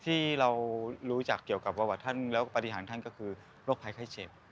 ที่เรารู้จักเกี่ยวกับประวัติท่านแล้วปฏิหารท่านก็คือโรคภัยไข้เจ็บ